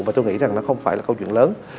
và tôi nghĩ rằng nó không phải là câu chuyện lớn